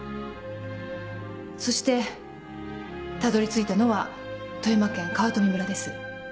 そしてたどりついたのは富山県川冨村です。